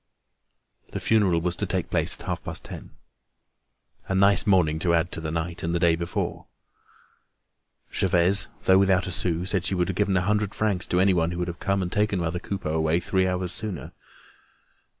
The funeral was to take place at half past ten. A nice morning to add to the night and the day before! Gervaise, though without a sou, said she would have given a hundred francs to anybody who would have come and taken mother Coupeau away three hours sooner.